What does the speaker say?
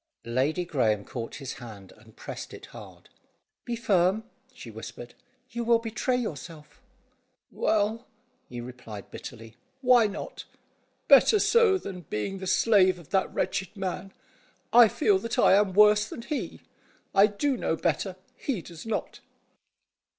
Lady Graeme caught his hand, and pressed it hard. "Be firm," she whispered; "you will betray yourself." "Well," he replied bitterly, "why not? Better so than being the slave of that wretched man. I feel that I am worse than he. I do know better, he does not."